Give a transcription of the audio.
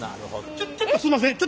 ちょっちょっとすんません。